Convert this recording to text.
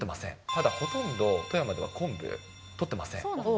ただほとんど、富山では昆布、取ってません。